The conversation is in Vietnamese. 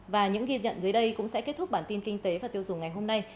và những ghi nhận dưới đây cũng sẽ kết thúc bản tin kinh tế và tiêu dùng ngày hôm nay